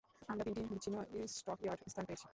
আমরা তিনটি বিচ্ছিন্ন স্টকইয়ার্ড স্থান পেয়েছি।